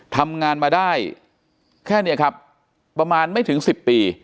ทำงานมาได้แค่นี้ครับประมาณไม่ถึง๑๐ปี